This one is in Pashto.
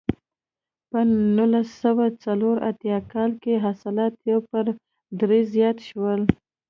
په نولس سوه څلور اتیا کال کې حاصلات یو پر درې زیات شول.